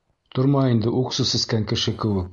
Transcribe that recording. Торма инде уксус эскән кеше кеүек.